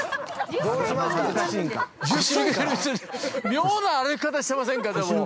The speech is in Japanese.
妙な歩き方してませんか。